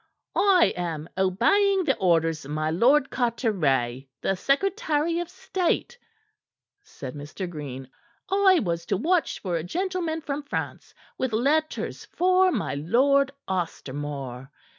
"I am obeying the orders of my Lord Carteret, the Secretary of State," said Mr. Green. "I was to watch for a gentleman from France with letters for my Lord Ostermore.